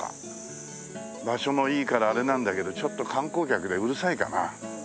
場所もいいからあれなんだけどちょっと観光客でうるさいかな？